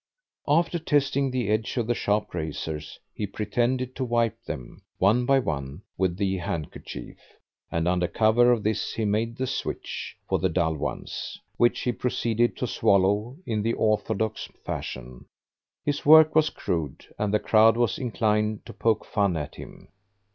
After testing the edge of the sharp razors, he pretended to wipe them, one by one, with the handkerchief, and under cover of this he made the "switch" for the dull ones, which he proceeded to swallow in the orthodox fashion. His work was crude, and the crowd was inclined to poke fun at him.